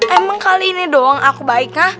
emang kali ini doang aku baiknya